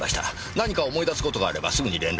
何か思い出す事があればすぐに連絡を。